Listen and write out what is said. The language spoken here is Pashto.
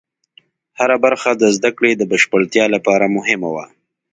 هره برخه د زده کړې د بشپړتیا لپاره مهمه وه.